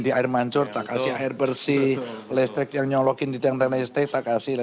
di air mancur tak kasih air bersih listrik yang nyolokin di dalam tanah listrik tak kasih